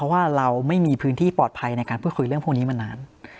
ว่าเราไม่มีพื้นที่ปลอดภัยในการพูดคุยเรื่องพวกนี้มานาน